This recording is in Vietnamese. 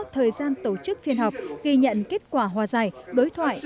thời gian tổ chức phiên họp ghi nhận kết quả hòa giải đối thoại